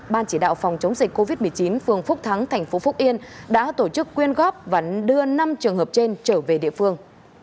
ban chỉ đạo phòng chống dịch covid một mươi chín phường phúc thắng tp phúc yên đã tổ chức quyên góp và đưa năm trường hợp trên trở về địa phương